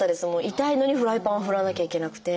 痛いのにフライパンを振らなきゃいけなくて。